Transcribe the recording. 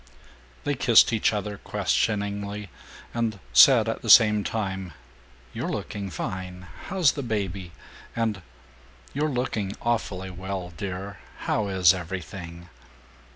They kissed each other questioningly, and said at the same time, "You're looking fine; how's the baby?" and "You're looking awfully well, dear; how is everything?"